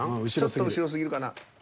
ちょっと後ろすぎるかな。